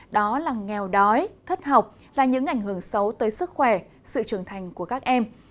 đó là nghèo đói thất học là những ảnh hưởng xấu tới sức khỏe sự trưởng thành của các em